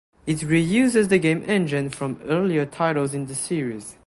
It reuses the game engine from earlier titles in the series.